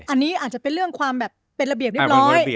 อันนี้อาจจะเป็นเรื่องความแบบเป็นระเบียบเรียบร้อย